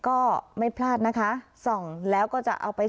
ก็ไม่พลาดนะคะส่องแล้วก็จะเอาไป